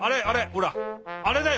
ほらあれだよ！